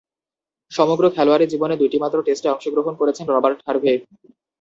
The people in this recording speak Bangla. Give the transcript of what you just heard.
সমগ্র খেলোয়াড়ী জীবনে দুইটিমাত্র টেস্টে অংশগ্রহণ করেছেন রবার্ট হার্ভে।